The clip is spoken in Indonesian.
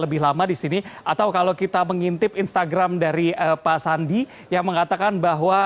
lebih lama di sini atau kalau kita mengintip instagram dari pak sandi yang mengatakan bahwa